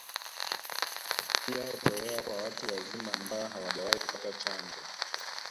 Pia hutolewa kwa watu wazima ambao hawajawahi kupata chanjo